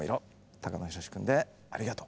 高野寛君で「ありがとう」。